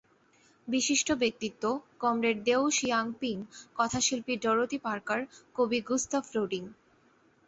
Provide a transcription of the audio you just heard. বিশিষ্ট ব্যক্তিত্ব—কমরেড Deng Xiaoping, কথাশিল্পী ডরোথি পার্কার, কবি গুস্তভ ফ্রোডিং।